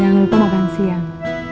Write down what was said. jangan lupa makan siang